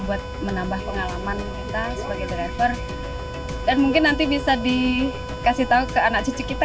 buat menambah pengalaman kita sebagai driver dan mungkin nanti bisa dikasih tahu ke anak cucu kita